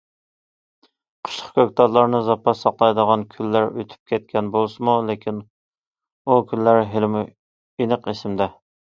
قىشلىق كۆكتاتلارنى زاپاس ساقلايدىغان كۈنلەر ئۆتۈپ كەتكەن بولسىمۇ، لېكىن، ئۇ كۈنلەر ھېلىمۇ ئېنىق ئېسىمدە.